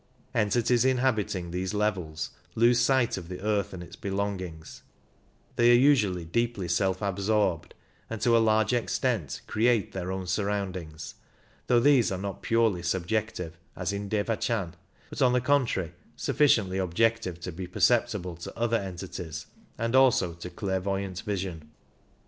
Entities inhabiting these levels lose sight of the earth and its belongings ; they are usually deeply self absorbed, and to a large extent create their own surroundings, though these are not purely subjective, as in Devachan, but on the contrary sufficiently objective to be perceptible to other entities and also to clairvoyant vision.